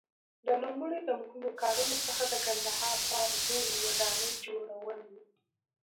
د نوموړي د مهمو کارونو څخه د کندهار ښار نوې ودانۍ جوړول وو.